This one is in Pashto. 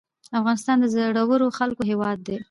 افغانستان د زړورو خلکو هیواد دی